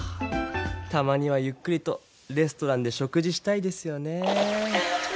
たまにはゆっくりとレストランで食事したいですよねぇ。